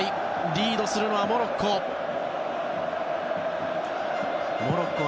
リードするのはモロッコ。